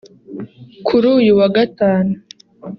kuri uyu wa gatanu